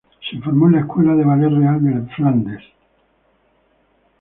Se formó en la Escuela del Ballet Real de Flandes.